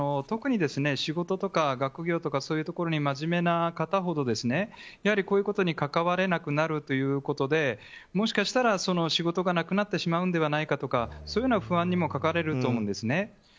特に、仕事とか学業とかそういうところに真面目な方ほどやはり、こういうことに関われなくなるということでもしかしたら仕事がなくなってしまうんじゃないかとかそういう不安にも駆られると思うんですね。